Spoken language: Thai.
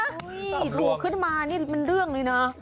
ถูกขึ้นมานี่เป็นเรื่องเลยน่ะ